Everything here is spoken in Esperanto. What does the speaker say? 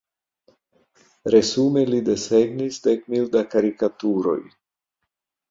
Resume li desegnis dek mil da karikaturoj.